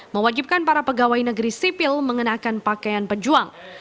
mewajibkan para pegawai negeri sipil mengenakan pakaian pejuang